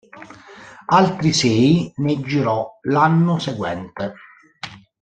Altri sei ne girò l'anno seguente.